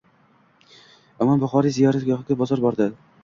Imom Buxoriy ziyoratgohida bozor bor.